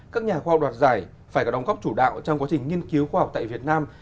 các nhà khoa học đoạt giải phải có đóng góp chủ đạo trong quá trình nghiên cứu khoa học tại việt nam